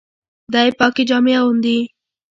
دی پاکي جامې اغوندي.